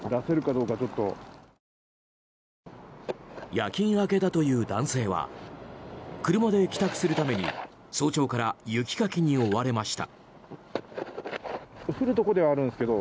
夜勤明けだという男性は車で帰宅するために早朝から雪かきに追われました。